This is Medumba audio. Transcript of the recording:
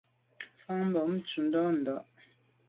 Mfan bon tshob ntùm ndà.